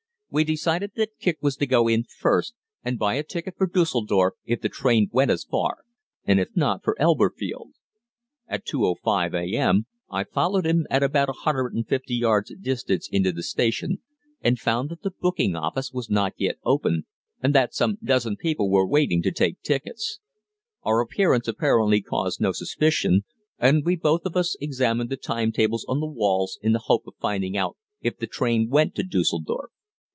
We decided that Kicq was to go in first and buy a ticket for Düsseldorf if the train went as far, and if not, for Elberfeld. At 2.05 a.m. I followed him at about 150 yards distance into the station, and found that the booking office was not yet open, and that some dozen people were waiting to take tickets. Our appearance apparently caused no suspicion, and we both of us examined the time tables on the walls in the hope of finding out if the train went to Düsseldorf.